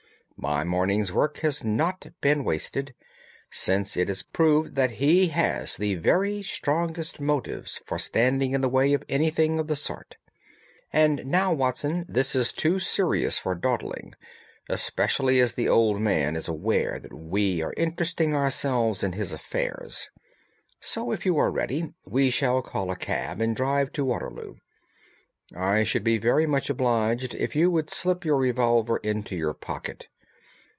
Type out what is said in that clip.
My morning's work has not been wasted, since it has proved that he has the very strongest motives for standing in the way of anything of the sort. And now, Watson, this is too serious for dawdling, especially as the old man is aware that we are interesting ourselves in his affairs; so if you are ready, we shall call a cab and drive to Waterloo. I should be very much obliged if you would slip your revolver into your pocket.